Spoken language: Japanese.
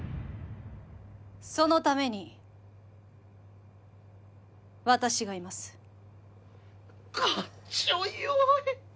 そのために私がいますかっちょよい